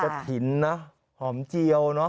กระถิ่นน่ะหอมเจียวเนอะ